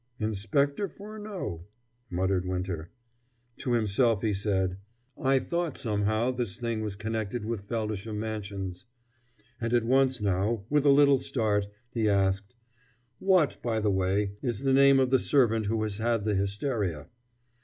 "Inspector Furneaux," muttered Winter. To himself he said: "I thought somehow that this thing was connected with Feldisham Mansions." And at once now, with a little start, he asked: "What, by the way, is the name of the servant who has had the hysteria?"